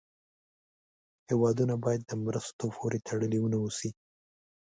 هېوادونه باید د مرستو پورې تړلې و نه اوسي.